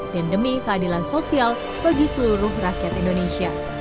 dan demi keadilan sosial bagi seluruh rakyat indonesia